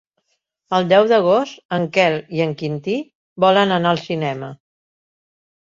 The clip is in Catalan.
El deu d'agost en Quel i en Quintí volen anar al cinema.